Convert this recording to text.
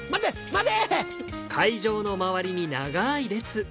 待て！